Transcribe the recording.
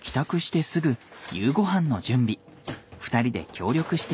２人で協力して作ります。